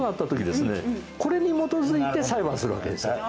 これに基づいて裁判するわけです。